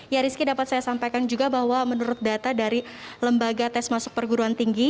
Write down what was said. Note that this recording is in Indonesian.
ya rizky dapat saya sampaikan juga bahwa menurut data dari lembaga tes masuk perguruan tinggi